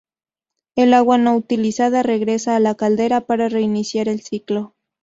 El agua no utilizada regresa a la caldera para reiniciar el ciclo.